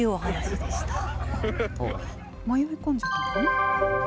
迷い込んじゃったの？